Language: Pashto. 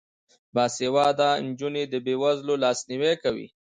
باسواده نجونې د بې وزلو لاسنیوی کوي.